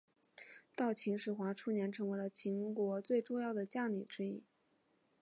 到秦始皇初年成为了秦国最重要的将领之一。